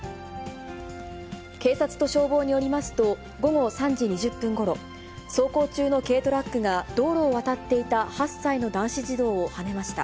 警察と消防によりますと、午後３時２０分ごろ、走行中の軽トラックが道路を渡っていた８歳の男子児童をはねました。